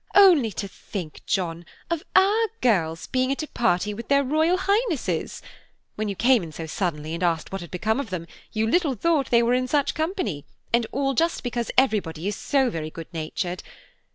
Only to think, John, of our girls being at a party with their Royal Highnesses. When you came in so suddenly and asked what had become of them, you little thought they were in such company, and all just because everybody is so very good natured.